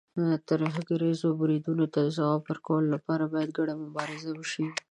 ترهګریزو بریدونو ته د ځواب ورکولو لپاره، باید ګډه مبارزه وشي.